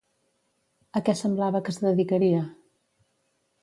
A què semblava que es dedicaria?